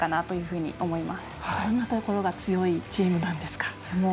どういったところが強いチームなんですか？